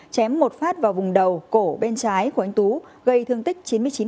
chém một phát vào vùng đầu cổ bên trái của anh tú gây thương tích chín mươi chín